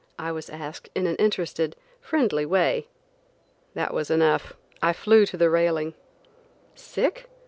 I was asked in an interested, friendly way. That was enough; I flew to the railing. Sick?